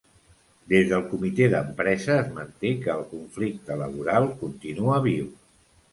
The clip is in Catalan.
Des del comitè d’empresa es manté que el conflicte laboral continua viu.